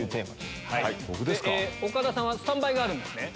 岡田さんはスタンバイがあるんですね。